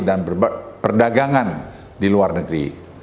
dan perdagangan di luar negeri